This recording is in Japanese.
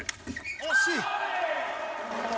惜しい！